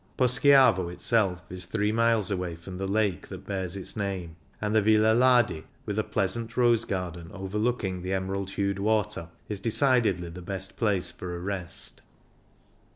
Poschiavo itself is three miles away from the lake that bears its name, and the Villa Lardi, with a pleasant rose garden overlooking the emerald hued water, is decidedly the best place for a rest.